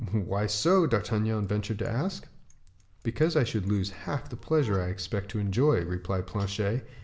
"Why so?" D'Artagnan ventured to ask. "Because I should lose half the pleasure I expect to enjoy," replied Planchet.